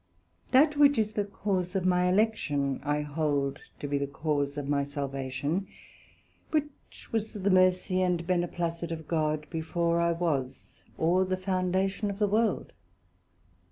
That which is the cause of my Election, I hold to be the cause of my Salvation, which was the mercy and beneplacit of God, before I was, or the foundation of the World.